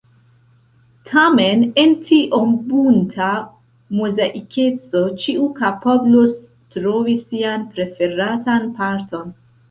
Tamen en tiom bunta mozaikeco ĉiu kapablos trovi sian preferatan parton.